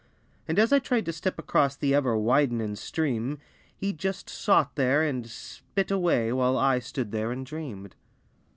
And as I tried to step across The ever widenin' stream, He just sot there and spit away, While I stood there and dreamed.